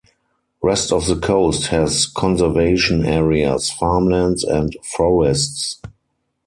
Rest of the coast has conservation areas, farmlands and forests.